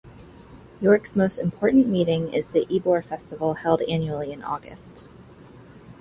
York's most important meeting is the Ebor Festival held annually in August.